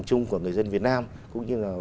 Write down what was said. chung của người dân việt nam cũng như là